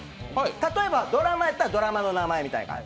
例えばドラマやったらドラマの名前みたいな感じ。